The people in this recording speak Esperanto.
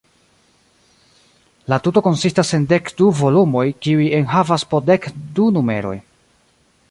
La tuto konsistas en dek du volumoj, kiuj enhavas po dek du numeroj.